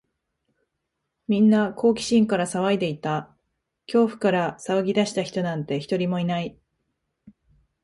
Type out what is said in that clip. みんな好奇心から騒いでいた。恐怖から騒ぎ出した人なんて、一人もいない。